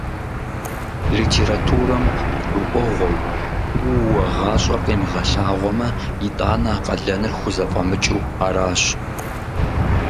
Литературэм гурыӀуэгъуэу куууэ гъащӀэр къимыгъэлъагъуэмэ, итӀанэ а къалэныр хузэфӀэмыкӀыу аращ.